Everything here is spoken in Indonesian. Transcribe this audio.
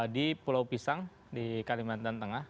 di pulau pisang di kalimantan tengah